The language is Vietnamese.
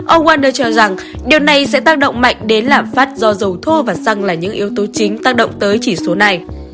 ông warner cho rằng điều này sẽ tăng động mạnh đến lạm phát do dầu thô và xăng là những yếu tố chính tăng động tới chỉ số này